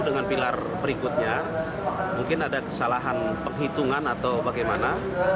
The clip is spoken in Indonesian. dengan pilar berikutnya mungkin ada kesalahan penghitungan atau bagaimana